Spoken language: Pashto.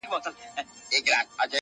یا غبار د آئینو په مخ ولاړ ؤ